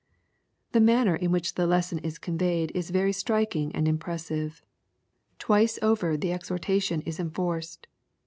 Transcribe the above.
The manner in which the lesson is conveyed is very striking and im pressive. Twice over the exhortation is enforced.